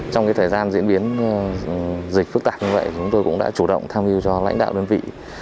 trong dịch phức tạp như vậy chúng tôi cũng đã chủ động tham dự cho lãnh đạo đơn vị